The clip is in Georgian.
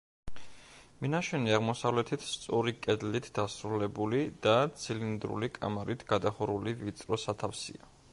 მინაშენი აღმოსავლეთით სწორი კედლით დასრულებული და ცილინდრული კამარით გადახურული ვიწრო სათავსია.